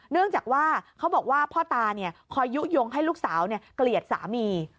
เนื่องจากว่าเขาบอกว่าพ่อตาคอยยุโยงให้ลูกสาวเกลียดสามี